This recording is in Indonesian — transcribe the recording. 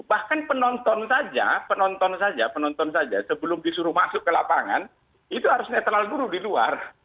bahkan penonton saja penonton saja penonton saja sebelum disuruh masuk ke lapangan itu harus netral dulu di luar